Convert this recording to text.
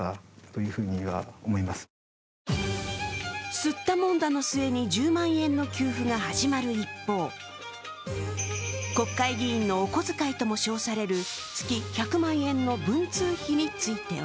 すったもんだの末に１０万円の給付が始まる一方、国会議員のお小遣いとも称される月１００万円の文通費については